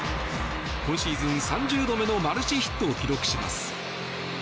今シーズン３０度目のマルチヒットを記録します。